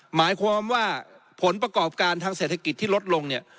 หมายความว่าผลประกอบการทางเศรษฐกิจที่ลดลงเนี่ย